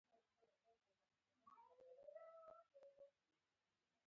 چې د غیرت تعریف یې مبهم کړی دی.